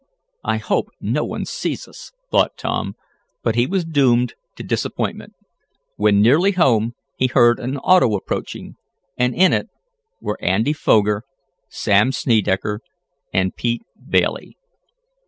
"I hope no one sees us," thought Tom, but he was doomed to disappointment. When nearly home he heard an auto approaching, and in it were Andy Foger, Sam Snedecker and Pete Bailey.